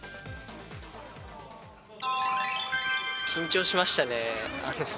緊張しましたね。